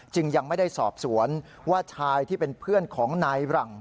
ยังไม่ได้สอบสวนว่าชายที่เป็นเพื่อนของนายหลัง